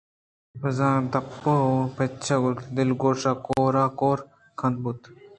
بہ زاں دپ ءَ پچ لگوشان ءَ کوٛار کوٛار کنان بُوت